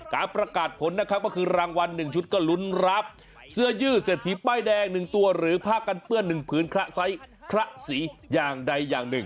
การประกาศผลนะครับก็คือรางวัล๑ชุดก็ลุ้นรับเสื้อยืดเศรษฐีป้ายแดง๑ตัวหรือผ้ากันเปื้อน๑ผืนคละไซส์คละสีอย่างใดอย่างหนึ่ง